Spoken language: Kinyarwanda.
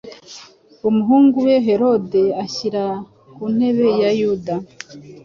Umuhungu we Herode ahyira ku ntebe ya Yuda